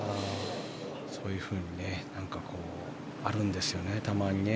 そういうふうに何かあるんですよね、たまにね。